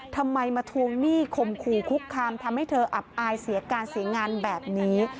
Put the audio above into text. ทำไมมาทวงหนี้ข่มขู่คุกคามทำให้เธออับอายเสียการเสียงานแบบนี้